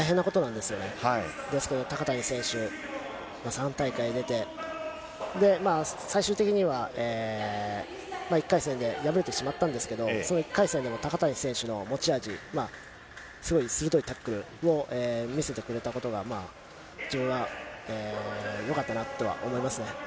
ですけど、高谷選手、３大会出て、最終的には、１回戦で敗れてしまったんですけど、その１回戦の高谷選手の持ち味、すごい鋭いタックルを見せてくれたことが、自分はよかったなとは思いますね。